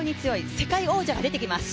世界王者が出てきます。